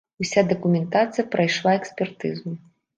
Уся дакументацыя прайшла экспертызу.